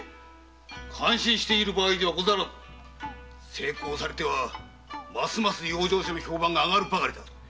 成功されてはますます養生所の評判があがるばかりだ。